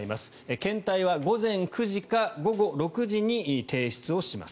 検体は午前９時か午後６時に提出をします。